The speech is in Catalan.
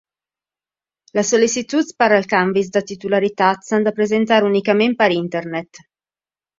Les sol·licituds per als canvis de titularitat s'han de presentar únicament per Internet.